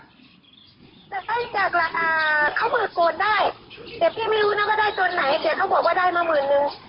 หลังจากเขามืดโกนได้เดี๋ยวพี่ไม่รู้นะก็ได้ตอนไหนเดี๋ยวเขาบอกว่าได้มาหมื่นนึง